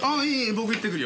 僕行ってくるよ。